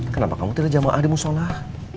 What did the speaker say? kenapa kamu tidak jamaah di musola